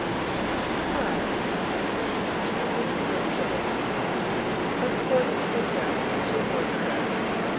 "I'm glad," she smiled, "that you can still be jealous." But before he could take it up she had more to say.